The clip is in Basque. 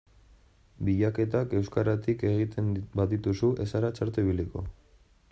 Bilaketak euskaratik egiten badituzu ez zara txarto ibiliko.